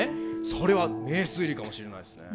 それは名推理かもしれないですね。